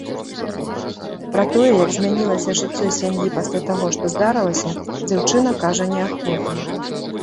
Пра тое, як змянілася жыццё сям'і пасля таго, што здарылася, дзяўчына кажа неахвотна.